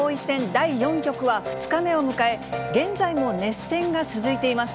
第４局は、２日目を迎え、現在も熱戦が続いています。